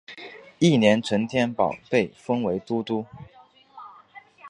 翌年陈添保被封为都督。